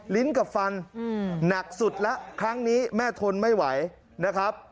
ลิ้นกับฟันหนักสุดแล้วครั้งนี้แม่ทนไม่ไหวนะครับ